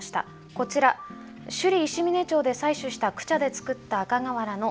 こちら首里石嶺町で採取したクチャで作った赤瓦の試作品です。